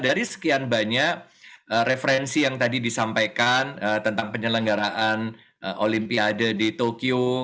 dari sekian banyak referensi yang tadi disampaikan tentang penyelenggaraan olimpiade di tokyo